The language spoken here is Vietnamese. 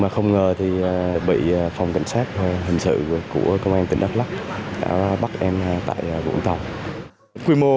mà không ngờ thì bị phòng cảnh sát hình sự của công an tỉnh đắk lắk bắt em tại vũng tàu quy mô